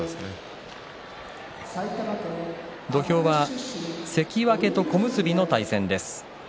土俵は関脇と小結の対戦です。